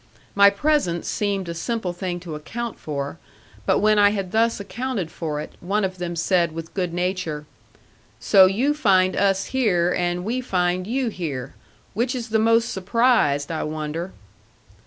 My presence seemed a simple thing to account for; but when I had thus accounted for it, one of them said with good nature: "So you find us here, and we find you here. Which is the most surprised, I wonder?"